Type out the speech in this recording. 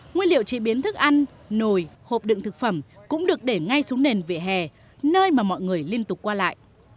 nguyên liệu chế biến thức ăn nồi hộp đựng thực phẩm cũng được để ngay xuống nền vỉa hè nơi mà mọi người liên tục qua lại